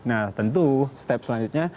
nah tentu step selanjutnya